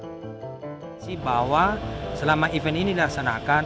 kami berhasil bahwa selama event ini dilaksanakan